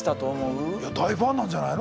大ファンなんじゃないの？